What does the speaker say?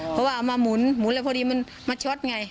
เพราะว่าเอามาหมุนแล้วพอดีมันมาช็อตไง